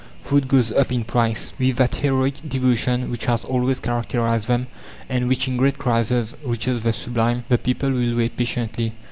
Food goes up in price. With that heroic devotion which has always characterized them, and which in great crises reaches the sublime, the people will wait patiently.